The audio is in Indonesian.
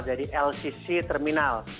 jadi lcc terminal